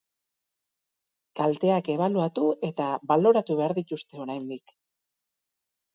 Kalteak ebaluatu eta baloratu behar dituzte oraindik.